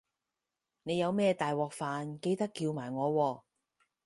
你有咩大鑊飯記得叫埋我喎